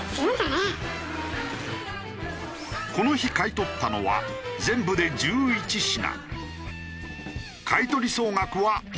この日買い取ったのは全部で１１品。